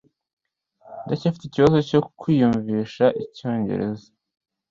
Ndacyafite ikibazo cyo kwiyumvisha icyongereza.